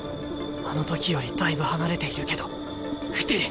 あの時よりだいぶ離れているけど打てる。